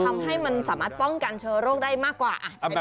ทำให้มันสามารถป้องกันเชื้อโรคได้มากกว่า